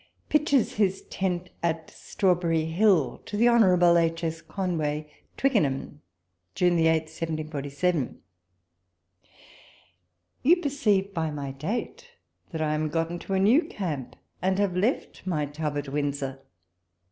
... PITCHES HIS TENT AT ST HAW BERRY HILL. To THE Hon. H. S. Conway. Ticickcnham, June 8, 1747. You perceive by my date that I am got into a new camp, and have left my tub at Windsor.